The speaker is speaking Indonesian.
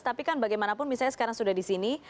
tapi kan bagaimanapun misalnya sekarang sudah di sini